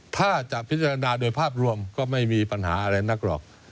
ถ้าจะพิจารณาโดยภาพรวมก็ไม่มีปัญหาอะไรนักหรอก